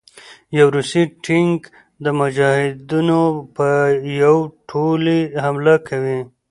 يو روسي ټېنک د مجاهدينو په يو ټولې حمله کوي